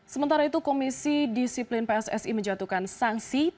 sementara itu komisi disiplin pssi menjatuhkan sanksi